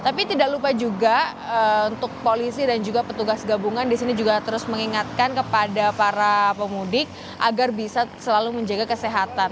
tapi tidak lupa juga untuk polisi dan juga petugas gabungan di sini juga terus mengingatkan kepada para pemudik agar bisa selalu menjaga kesehatan